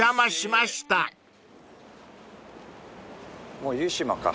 もう湯島か。